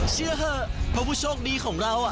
เชื่อเถอะเพราะผู้โชคดีของเรา